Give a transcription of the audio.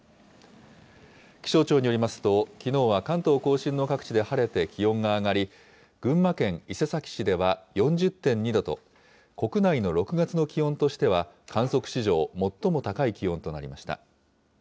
気象庁によりますと、きのうは関東甲信の各地で晴れて気温が上がり、群馬県伊勢崎市では４０．２度と、国内の６月の気温としては観測史上最も高い気温となりました。